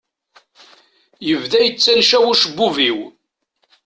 Yebda yettančaw ucebbub-iw.